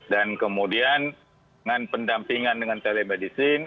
dan kemudian dengan pendampingan dengan telemedicine